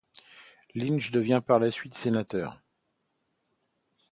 Lynch devint par la suite sénateur.